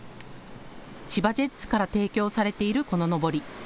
千葉ジェッツから提供されているこののぼり。